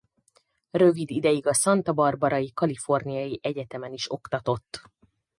Rövid ideig a Santa Barbara-i Kaliforniai Egyetemen is oktatott.